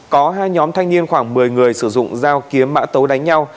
có hai nhóm thanh niên khoảng một mươi người sử dụng dao kiếm mã tấu đánh nhau